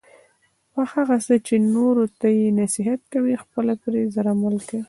په هغه څه چې نورو ته یی نصیحت کوي خپله پری زر عمل کوه